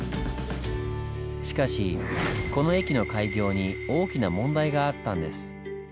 しかしこの駅の開業に大きな問題があったんです。